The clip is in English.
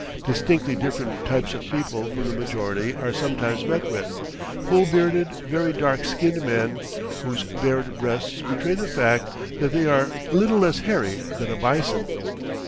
Distinctly different types of people from the majority are sometimes met with full bearded, very dark skinned men, whose bared breasts betray the fact that they are little less hairy than a bison.